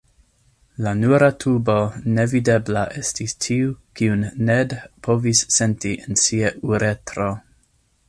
La nura tubo nevidebla estis tiu kiun Ned povis senti en sia uretro.